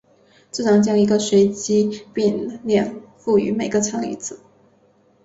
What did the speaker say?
自然将一个随机变量赋予每个参与者。